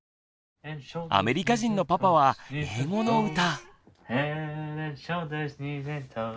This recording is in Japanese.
アメリカ人のパパは英語の歌。